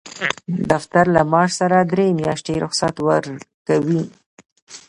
دفتر له معاش سره درې میاشتې رخصت ورکوي.